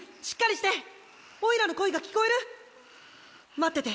待ってて。